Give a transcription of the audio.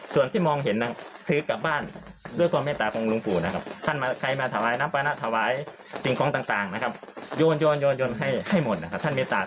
โยนให้หมดนะครับท่านแม่ตะท่านแม่ตะที่สุดนะครับ